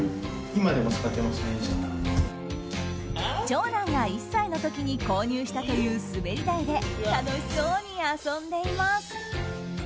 長男が１歳の時に購入したという滑り台で楽しそうに遊んでいます。